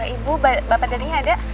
ibu bapak dhani ada